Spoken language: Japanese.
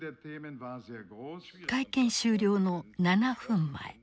会見終了の７分前